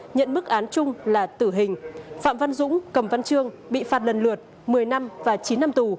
nhận bức án chung là tử hình phạm văn dũng cầm văn trương bị phạt lần lượt